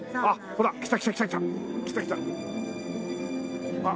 ほら来た！